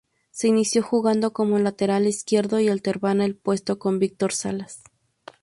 Se inició jugando como lateral izquierdo y alternaba el puesto con Víctor Salas.